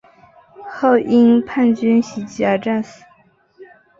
后因叛军袭击而战死。